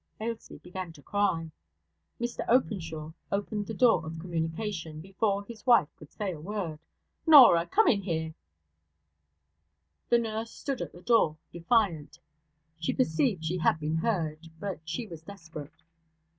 Ailsie began to cry. Mr Openshaw opened the door of communication, before his wife could say a word. 'Norah, come here!' The nurse stood at the door, defiant. She perceived she had been heard, but she was desperate.